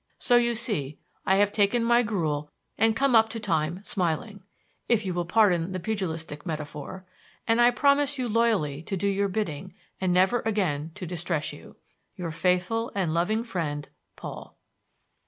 So you see, I have taken my gruel and come up to time smiling if you will pardon the pugilistic metaphor and I promise you loyally to do your bidding and never again to distress you._ "Your faithful and loving friend, "PAUL."